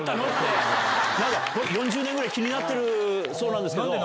４０年ぐらい気になってるそうなんですけど。